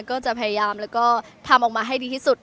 ก็จะพยายามแล้วก็ทำออกมาให้ดีที่สุด